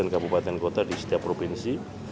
sembilan kabupaten kota di setiap provinsi